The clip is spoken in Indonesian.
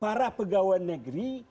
para pegawai negeri